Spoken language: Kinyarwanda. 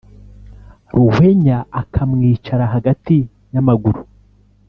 Ruhwenya akamwicara hagati y’amaguru